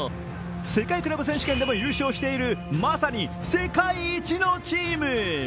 世界クラブ選手権でも優勝しているまさに世界一のチーム。